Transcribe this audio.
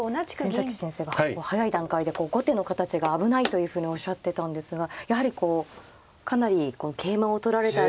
先崎先生が早い段階で後手の形が危ないというふうにおっしゃってたんですがやはりこうかなりこう桂馬を取られたあとが。